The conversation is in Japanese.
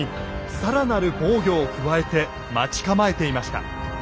さらなる防御を加えて待ち構えていました。